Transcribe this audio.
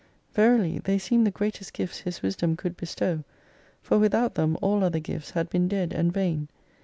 Verily they seem the greatest gifts His wisdom could bestow, for without them all other gifts had been dead and vain.